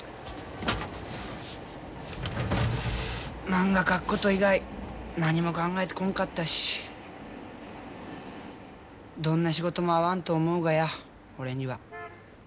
まんが描くこと以外何も考えてこんかったしどんな仕事も合わんと思うがや俺には。